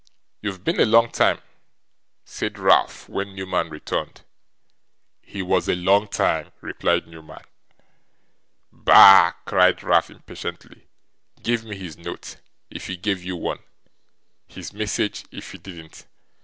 'You've been a long time,' said Ralph, when Newman returned. 'HE was a long time,' replied Newman. 'Bah!' cried Ralph impatiently. 'Give me his note, if he gave you one: his message, if he didn't.